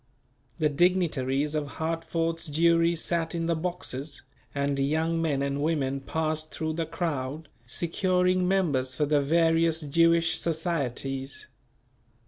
The dignitaries of Hartford's Jewry sat in the boxes, and young men and women passed through the crowd, securing members for the various Jewish societies.